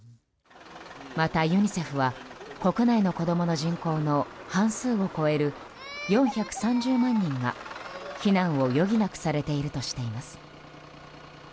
またユニセフは国内の子供の人口の半数を超える４３０万人が避難を余儀なくされているとしています。